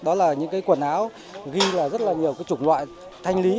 đó là những cái quần áo ghi là rất là nhiều cái chủng loại thanh lý